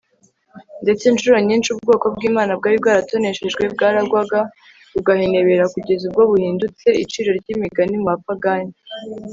ndetse incuro nyinshi ubwoko bw'imana bwari bwaratoneshejwe bwaragwaga bugahenebera kugeza ubwo buhindutse iciro ry'imigani mu bapagani